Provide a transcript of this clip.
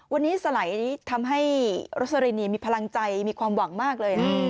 วันนี้สไหลทำให้โรสลินมีพลังใจมีความหวังมากเลยนะ